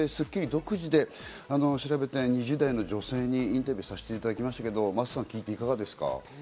独自で調べた２０代の女性にインタビューさせていただきましたけど、真麻さん、聞いてどうですか？